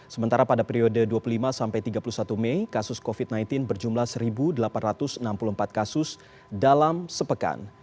sementara pada periode dua puluh lima sampai tiga puluh satu mei kasus covid sembilan belas berjumlah satu delapan ratus enam puluh empat kasus dalam sepekan